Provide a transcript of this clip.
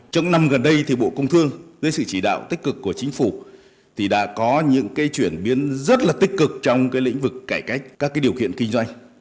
trong năm gần đây bộ công thương với sự chỉ đạo tích cực của chính phủ đã có những chuyển biến rất tích cực trong lĩnh vực cải cách các điều kiện kinh doanh